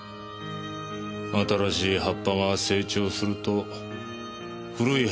新しい葉っぱが成長すると古い葉っぱは落ちていく。